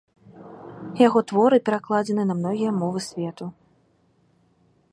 Яго творы перакладзены на многія мовы свету.